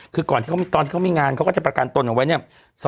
คือก่อนตอนที่เขามีงานเขาก็จะประกันตนเอาไว้เนี่ย